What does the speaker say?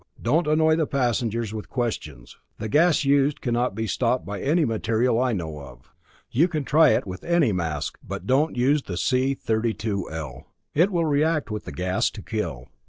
Don't annoy the passengers with questions. The gas used cannot be stopped by any material I know of. You can try it with any mask but don't use the C 32L. It will react with the gas to kill.